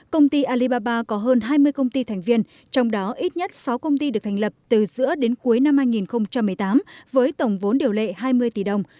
công ty alibaba có hơn hai mươi công ty thành viên trong đó ít nhất sáu công ty được thành lập từ giữa đến cuối năm hai nghìn một mươi tám với tổng vốn điều lệ hai mươi tỷ đồng